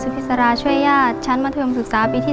บันทึก